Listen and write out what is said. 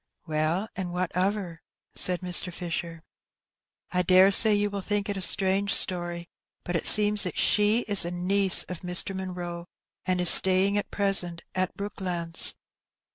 " Well, and what of her ?" said Mr. Fisher. " I daresay you will think it a strange story, but it seems she is a niece of Mr. Munroe, and is staying at present at Brooklands.